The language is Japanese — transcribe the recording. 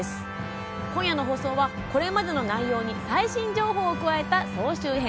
今夜の放送はこれまでの内容に最新情報を加えた総集編。